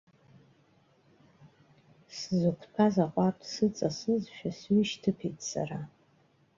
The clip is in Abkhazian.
Сзықәтәаз аҟәардә сыҵасызшәа сҩышьҭыԥеит сара.